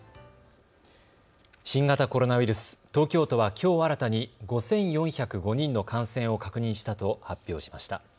新型コロナウイルス、東京都はきょう新たに５４０５人の感染を確認したと発表しました。